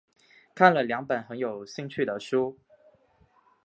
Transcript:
看了两本很有兴趣的书